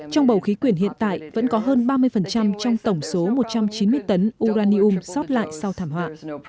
trong bầu khí quyển hiện tại vẫn có hơn ba mươi trong tổng số một trăm chín mươi tấn uranium sót lại sau thảm họa